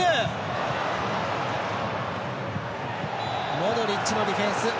モドリッチのディフェンス。